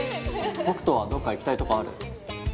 北斗はどっか行きたいとこある？